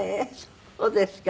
そうですか。